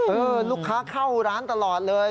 ลูกค้าเข้าร้านตลอดเลย